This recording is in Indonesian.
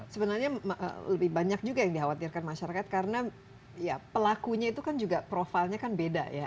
sebenarnya lebih banyak juga yang dikhawatirkan masyarakat karena ya pelakunya itu kan juga profilnya kan beda ya